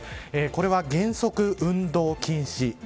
これは原則、運動禁止。